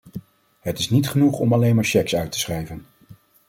Het is niet genoeg om alleen maar cheques uit te schrijven.